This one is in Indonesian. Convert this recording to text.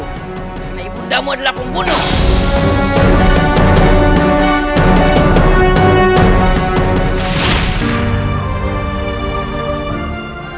karena ibundamu adalah pembunuh